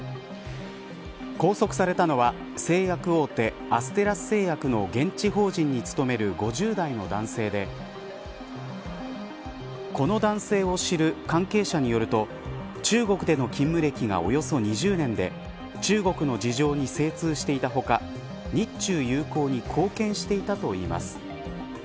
拘束されたのは製薬大手アステラス製薬の現地法人に勤める５０代の男性でこの男性を知る関係者によると中国での勤務歴がおよそ２０年で中国の事情に精通していた他日中友好に貢献していたといいます。